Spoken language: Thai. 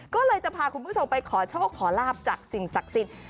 ก็เลยจะพาคุณผู้ชมไปขอโชคขอลาบจากสิ่งศักดิ์สิทธิ์